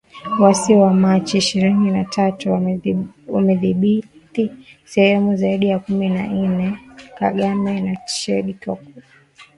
Waasi wa Machi ishirini na tatu wamedhibithi sehemu zaidi ya kumi na ine, Kagame na Tshisekedi wamekubali kupunguza uhasama